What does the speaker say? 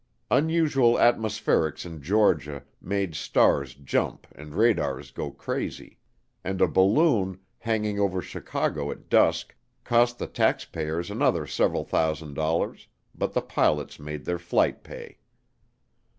Unusual atmospherics in Georgia made stars jump and radars go crazy; and a balloon, hanging over Chicago at dusk, cost the taxpayers another several thousand dollars but the pilots made their flight pay.